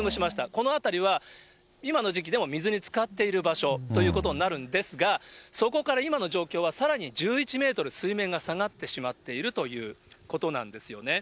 この辺りは、今の時期でも水につかっている場所ということになるんですが、そこから今の状況はさらに１１メートル水面が下がってしまっているということなんですよね。